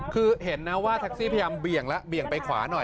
คือเห็นนะว่าแท็กซี่พยายามเบี่ยงแล้วเบี่ยงไปขวาหน่อย